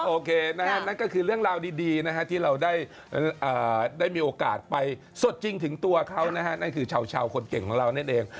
โอเคนะฮะนั่นก็คือเรื่องราวดีนะฮะที่เราได้มีโอกาสไปสดจริงถึงตัวเขานะฮะนั่นคือชาวคนเก่งของเรานั่นเอง